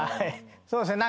そうですね。